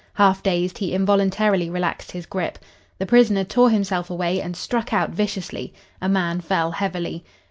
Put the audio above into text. Half dazed, he involuntarily relaxed his grip. The prisoner tore himself away and struck out viciously. A man fell heavily.